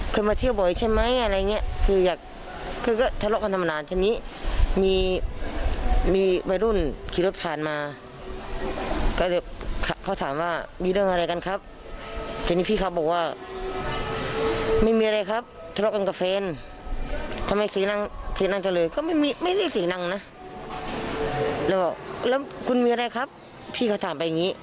ก็เลยเขาถามว่ามีเรื่องอะไรกันครับทีนี้พี่เขาบอกว่าไม่มีอะไรครับทะเลากันกับเฟนทำไมเสียแดงตะเลก็ไม่มีไม่ได้เสียแดงนะแล้วบอกแล้วคุณมีอะไรครับพี่เขาถามไปอย่างนี้